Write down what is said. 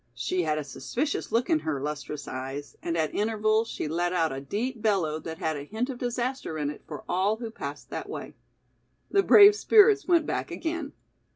She had a suspicious look in her lustrous eyes and at intervals she let out a deep bellow that had a hint of disaster in it for all who passed that way. The brave spirits went back again.